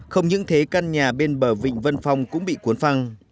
không những thế căn nhà bên bờ vịnh vân phong cũng bị cuốn phăng